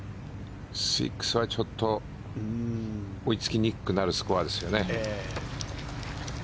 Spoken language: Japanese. ６はちょっと追いつきにくくなるスコアですよね。